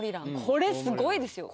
これすごいですよ。